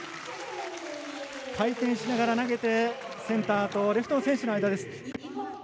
回転しながら投げてセンターとレフトの選手の間です。